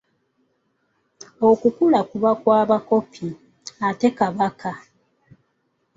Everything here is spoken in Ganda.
Okukula kuba kwa mukopi, ate Kabaka?